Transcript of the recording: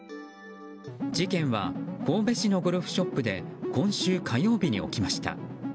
事件は神戸市のゴルフショップで今週火曜日に起きました。